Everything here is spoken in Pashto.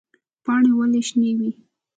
پاڼې ولې شنې وي؟